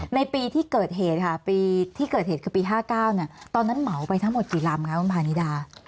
ในปีที่เกิดเหตุคือปี๕๙ตอนนั้นเหมาไปทั้งหมดกี่ลำไงบรรพานิดา